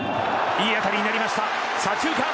いい当たりになりました左中間。